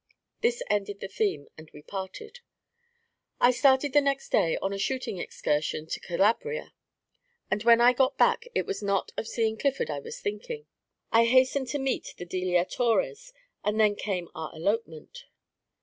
This ended the theme, and we parted. I started the next day on a shooting excursion into Calabria, and when I got back it was not of meeting Clifford I was thinking. I hastened to meet the Delia Torres, and then came our elopement.